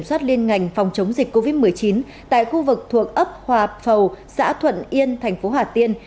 soát liên ngành phòng chống dịch covid một mươi chín tại khu vực thuộc ấp hòa phầu xã thuận yên thành phố hà tiên